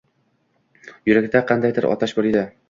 Yurakda qandaydir otash bor edi.